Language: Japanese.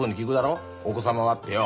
「お子様は？」ってよ。